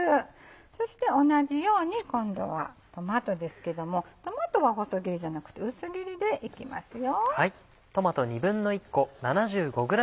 そして同じように今度はトマトですけどもトマトは細切りじゃなくて薄切りでいきますよ。